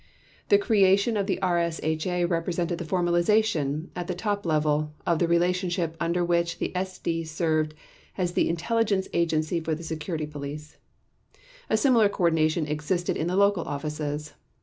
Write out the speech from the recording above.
The creation of the RSHA represented the formalization, at the top level, of the relationship under which the SD served as the intelligence agency for the Security Police. A similar coordination existed in the local offices.